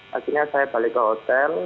jadi akhirnya saya balik ke hotel